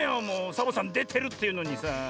もうサボさんでてるっていうのにさ。